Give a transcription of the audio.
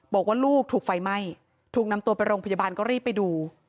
บอกว่าลูกถูกไฟไหม้ถูกนำตัวไปโรงพยาบาลก็รีบไปดู